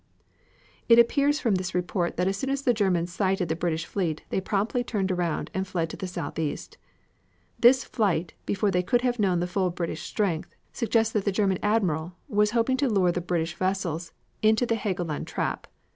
It appears from this report that as soon as the Germans sighted the British fleet they promptly turned around and fled to the southeast. This flight, before they could have known the full British strength, suggests that the German Admiral was hoping to lure the British vessels into the Helgoland trap.